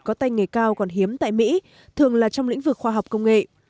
có tay nghề cao còn hiếm tại mỹ thường là trong lĩnh vực khoa học công nghệ